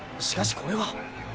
しかしこれは？